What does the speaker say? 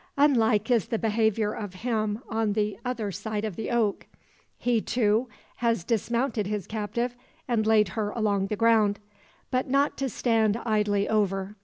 Unlike is the behaviour of him on the other side of the oak. He, too, has dismounted his captive, and laid her along the ground. But not to stand idly over.